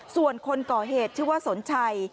ส่วนคนก่อเหตุชื่อว่าสนชัย